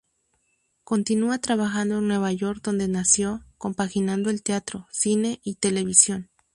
Continúa trabajando en Nueva York donde nació, compaginando el teatro, cine y televisión.